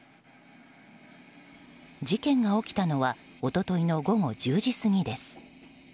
事件が起きたのは一昨日の午後１０時過ぎです。